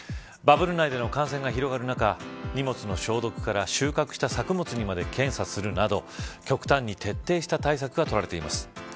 バブル内での感染が広がる中荷物の消毒から、収穫した作物にまで検査するなど極端に徹底した対策が取られています。